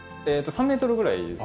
３メートルぐらいですね。